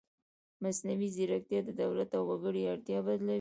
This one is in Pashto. مصنوعي ځیرکتیا د دولت او وګړي اړیکه بدلوي.